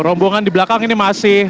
rombongan di belakang ini masih